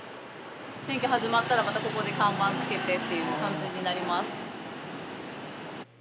選挙始まったらまたここで看板つけてっていう感じになります。